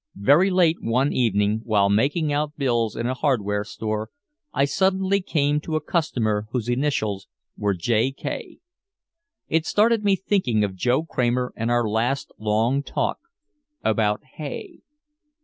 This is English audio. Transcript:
Very late one evening, while making out bills in a hardware store, I suddenly came to a customer whose initials were J. K. It started me thinking of Joe Kramer and our last long talk about hay.